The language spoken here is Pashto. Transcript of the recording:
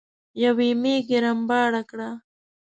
يوې ميږې رمباړه کړه.